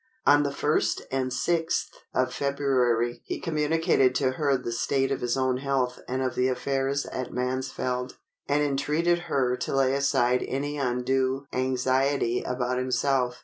On the 1st and 6th of February he communicated to her the state of his own health and of the affairs at Mansfeld, and entreated her to lay aside any undue anxiety about himself.